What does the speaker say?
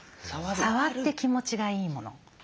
触って気持ちがいいもの。